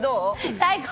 最高！